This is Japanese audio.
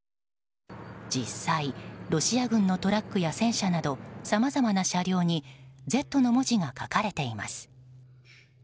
実際、ロシア軍のトラックや戦車などさまざまな車両に「Ｚ」の文字が書かれています。